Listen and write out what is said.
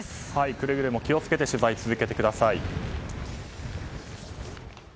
くれぐれも気を付けて取材を続けてください。